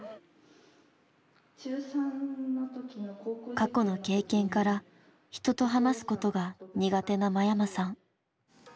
過去の経験から人と話すことが苦手な間山さん。